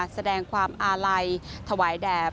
แสดงความอาลัยถวายแด่